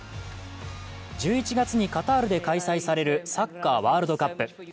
１１月にカタールで開催されるサッカーワールドカップ。